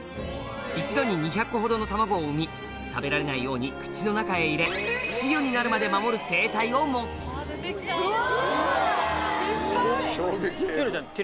一度に２００個ほどの卵を産み食べられないように口の中へ入れ稚魚になるまで守る生態を持つうわ！